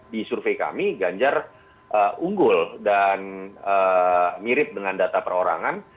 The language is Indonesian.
di survei kami ganjar unggul dan mirip dengan data perorangan